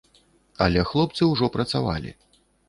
Але хлопцы ўжо працавалі.